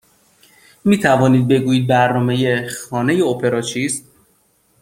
می توانید بگویید برنامه خانه اپرا چیست؟